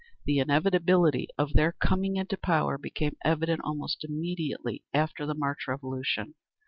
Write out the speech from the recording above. The inevitability of their coming into power became evident almost immediately after the March Revolution.